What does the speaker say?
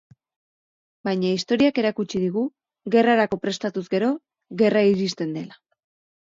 Baina historiak erakutsi digu gerrarako prestatuz gero, gerra iristen dela.